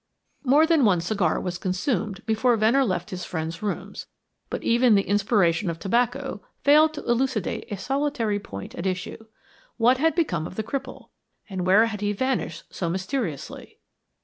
More than one cigar was consumed before Venner left his friend's rooms, but even the inspiration of tobacco failed to elucidate a solitary point at issue. What had become of the cripple, and where had he vanished so mysteriously?